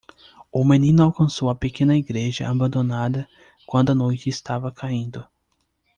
O menino alcançou a pequena igreja abandonada quando a noite estava caindo.